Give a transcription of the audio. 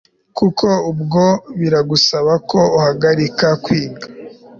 kuko ubwo biragusaba ko uhagarika kwiga